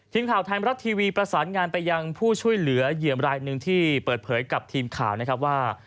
ทีมข่าวไทยมรัฐทีวีประสานงานไปยังผู้ช่วยเหลือเหยียมรายหนึ่งที่เปิดเผยกับทีมข่าวนะครับว่า